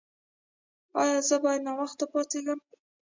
ایا زه باید ناوخته پاڅیږم؟